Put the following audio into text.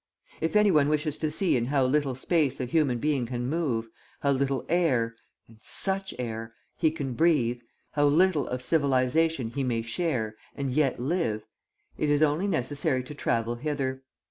If any one wishes to see in how little space a human being can move, how little air and such air! he can breathe, how little of civilisation he may share and yet live, it is only necessary to travel hither.